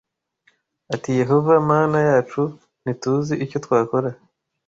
ati Yehova Mana yacu ntituzi icyo twakora